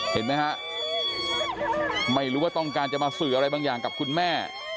เห็นไหมฮะไม่รู้ว่าต้องการจะมาสื่ออะไรบางอย่างกับคุณแม่